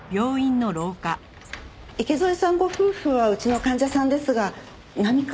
池添さんご夫婦はうちの患者さんですが何か？